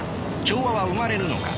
調和は生まれるのか。